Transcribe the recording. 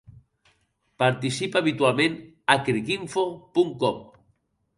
Participa habitualment a Cricinfo punt com.